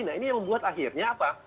nah ini yang membuat akhirnya apa